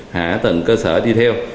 hạ tầng cơ sở đi theo